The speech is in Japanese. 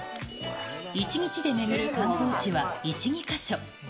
１日で巡る観光地は１、２か所。